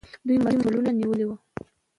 دوی مرچلونه نیولي وو.